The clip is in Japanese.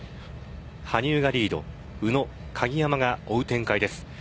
羽生がリード宇野、鍵山が追う展開です。